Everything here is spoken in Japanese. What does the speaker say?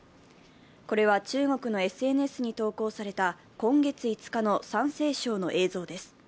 これは中国のＳＮＳに投稿された今月５日の山西省の映像です。